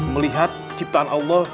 melihat ciptaan allah